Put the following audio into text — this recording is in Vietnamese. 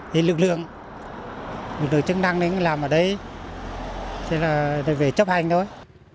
thì lực lượng lực lượng chức năng làm ở đây đây về chấp hành thôi